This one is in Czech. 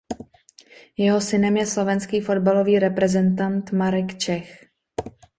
Jeho synem je slovenský fotbalový reprezentant Marek Čech.